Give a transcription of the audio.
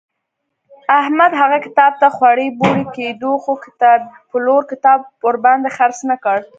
احمد هغه کتاب ته خوړی بوړی کېدو خو کتابپلور کتاب ورباندې خرڅ نه کړ.